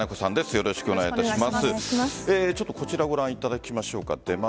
よろしくお願いします。